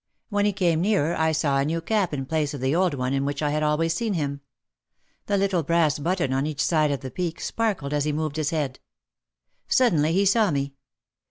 When he came nearer I saw a new cap in place of the old one in which I had always seen him. The little brass button on each side of the peak sparkled as he moved his head. Suddenly he saw me.